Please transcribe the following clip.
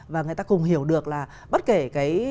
và người ta cùng hiểu được là bất kể cái